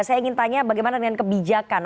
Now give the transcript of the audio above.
saya ingin tanya bagaimana dengan kebijakan